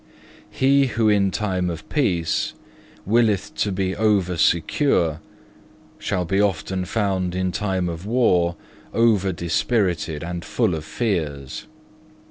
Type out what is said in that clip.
4. "He who in time of peace willeth to be oversecure shall be often found in time of war overdispirited and full of fears.